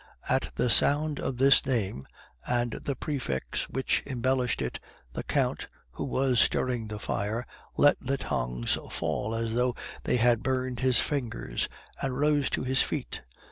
At the sound of this name, and the prefix that embellished it, the Count, who was stirring the fire, let the tongs fall as though they had burned his fingers, and rose to his feet.